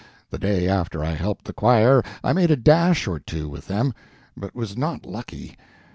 The day after I helped the choir I made a dash or two with them, but was not lucky.